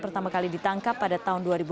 pertama kali ditangkap pada tahun dua ribu enam